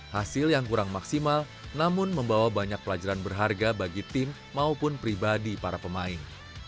hasil yang kurang maksimal namun membawa banyak pelajaran berharga bagi tim maupun pribadi para pemain